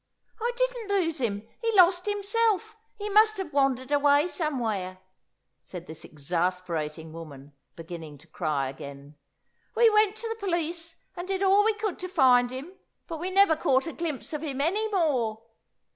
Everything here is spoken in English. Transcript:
"I didn't lose him. He lost himself. He must have wandered away somewhere," said this exasperating woman, beginning to cry again. "We went to the police, and did all we could to find him, but we never caught a glimpse of him any more.